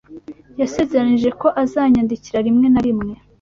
Yasezeranije ko azanyandikira rimwe na rimwe.